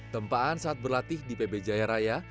tempaan saat berlatih di pb jaya raya